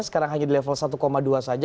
sekarang hanya di level satu dua saja